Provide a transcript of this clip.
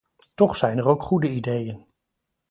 Toch zijn er ook goede ideeën.